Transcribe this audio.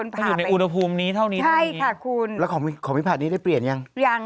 ตอนนี้ลูกหนีไป